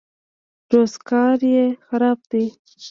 روزګار یې خراب دی.